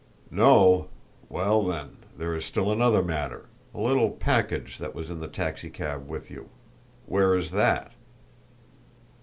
"No! Well, then, there is still another matter a little package that was in the taxicab with you. Where is that?"